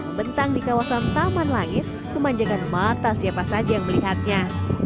membentang di kawasan taman langit memanjakan mata siapa saja yang melihatnya